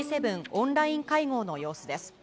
オンライン会合の様子です。